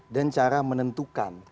dan cara menentukan